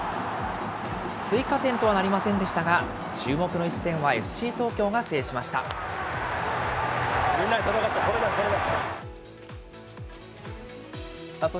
追加点とはなりませんでしたが、注目の一戦はＦＣ東京が制しまし